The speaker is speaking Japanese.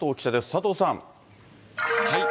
佐藤さん。